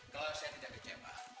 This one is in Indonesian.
kalau saya tidak kecewa